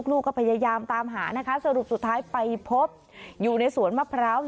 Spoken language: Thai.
ลูกก็พยายามตามหานะคะสรุปสุดท้ายไปพบอยู่ในสวนมะพร้าว